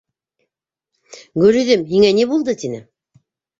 — Гөлйөҙөм, һиңә ни булды?.. — тине.